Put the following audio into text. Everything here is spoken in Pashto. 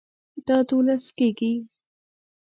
دا دوولس کیږي